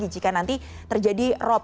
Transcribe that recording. jika nanti terjadi rop